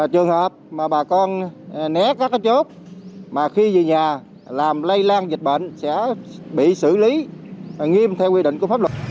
trường hợp mà bà con né các chốt mà khi về nhà làm lây lan dịch bệnh sẽ bị xử lý nghiêm theo quy định của pháp luật